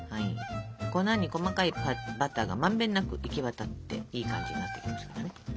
粉に細かいバターがまんべんなく行き渡っていい感じになってきますから。